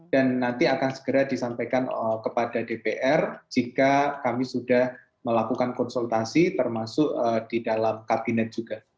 dan nanti akan segera disampaikan kepada dpr jika kami sudah melakukan konsultasi termasuk di dalam kabinet juga